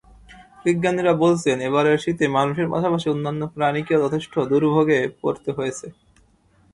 বিজ্ঞানীরা বলছেন, এবারের শীতে মানুষের পাশাপাশি অন্যান্য প্রাণীকেও যথেষ্ট দুর্ভোগে পড়তে হয়েছে।